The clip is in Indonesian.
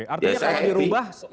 artinya kan dirubah